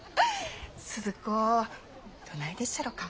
スズ子どないでっしゃろか？